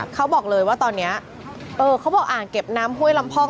เขาบอกเลยว่าตอนนี้เขาบอกอ่างเก็บน้ำห้วยลำพอง